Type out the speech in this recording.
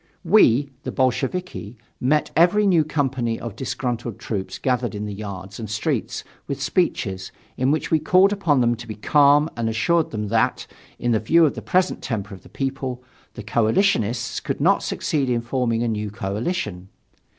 We, the Bolsheviki, met every new company of disgruntled troops gathered in the yards and streets, with speeches, in which we called upon them to be calm and assured them that, in view of the present temper of the people, the coalitionists could not succeed in forming a new coalition.